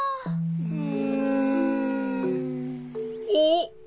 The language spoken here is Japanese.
うん。おっ！